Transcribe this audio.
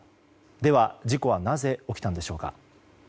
では、事故はなぜ起きたんでしょうか？